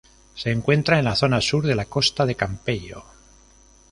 Se encuentra en la zona sur de la costa de Campello.